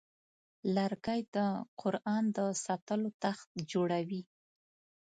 لرګی د قرآن د ساتلو تخت جوړوي.